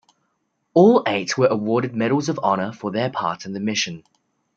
All eight were awarded Medals of Honor for their part in the mission.